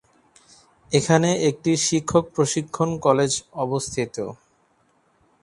এখানে একটি শিক্ষক প্রশিক্ষণ কলেজ অবস্থিত।